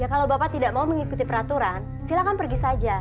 kalau bapak tidak mau mengikuti peraturan silakan pergi saja